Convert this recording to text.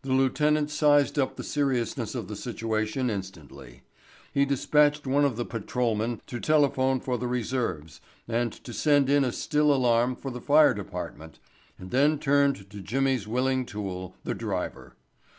The lieutenant sized up the seriousness of the situation instantly. He dispatched one of the patrolmen to telephone for the reserves and to send in a still alarm for the fire department, and then turned to Jimmy's willing tool, the driver.